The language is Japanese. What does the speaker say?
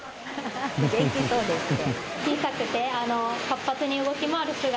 元気そうですね。